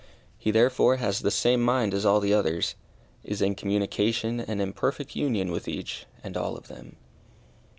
He therefore has the same mind as all the others is in communication and in perfect union with each and all of them.